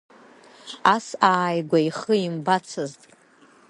Ас ааигәа ихы имбацызт.